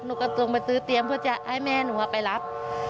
หนูก็ส่งไปซื้อเตรียมเพื่อจะให้แม่หนูไปรับ